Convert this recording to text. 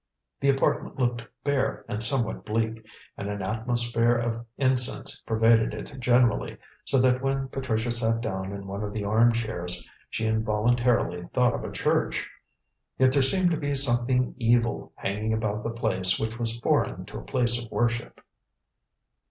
The apartment looked bare and somewhat bleak, and an atmosphere of incense pervaded it generally, so that when Patricia sat down in one of the arm chairs, she involuntarily thought of a church. Yet there seemed to be something evil hanging about the place which was foreign to a place of worship.